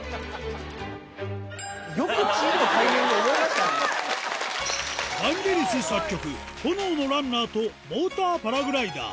よくチンのタイミング覚えまヴァンゲリス作曲、炎のランナーとモーターパラグライダー。